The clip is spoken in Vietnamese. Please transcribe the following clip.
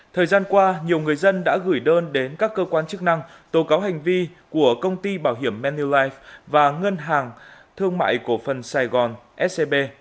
thời gian qua nhiều người dân đã gửi đơn đến các cơ quan chức năng tố cáo hành vi của công ty bảo hiểm maniulife và ngân hàng thương mại cổ phần sài gòn scb